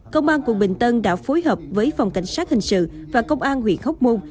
công an quận bình tân đã phối hợp với phòng cảnh sát hình sự và công an huyện hóc môn